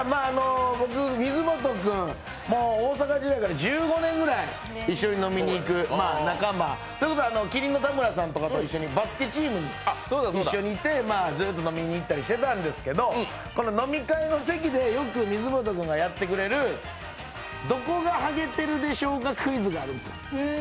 僕、水本君、大阪時代から１５年ぐらい一緒に飲みに行く仲間、麒麟の田村さんとかとバスケチームに一緒にいってずっと飲みに行ったりしてたんですけど、飲み会の席でよく、水本君がやってくれる「どこがハゲているでしょうかクイズ」があるんです。